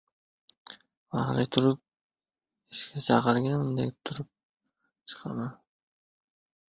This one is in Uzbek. O‘zbekistonda ishsizlik darajasi pasaydi